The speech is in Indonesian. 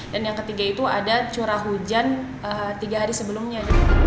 dan yang ketiga itu ada curah hujan tiga hari sebelumnya